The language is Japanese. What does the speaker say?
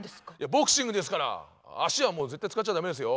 ボクシングですから脚はもう絶対使っちゃ駄目ですよ。